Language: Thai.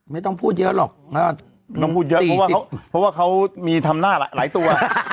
ไม่ต้องพูดเยอะหรอกเพราะว่าเขามีทำหน้าหลายตัว